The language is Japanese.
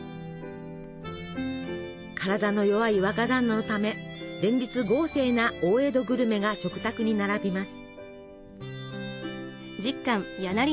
体の弱い若だんなのため連日豪勢な大江戸グルメが食卓に並びます。